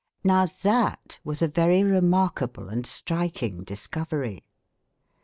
Now that was a very remarkable and striking discovery.